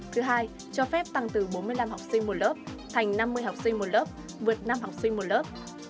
thứ hai cho phép tăng từ bốn mươi năm học sinh một lớp thành năm mươi học sinh một lớp vượt năm học sinh một lớp